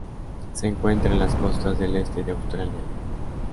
Se encuentran en las costas del este de Australia.